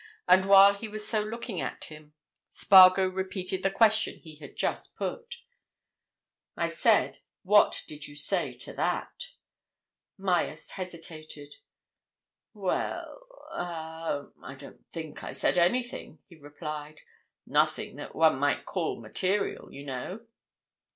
And while he was so looking at him. Spargo repeated the question he had just put. "I said—What did you say to that?" Myerst hesitated. "Well—er—I don't think I said anything," he replied. "Nothing that one might call material, you know."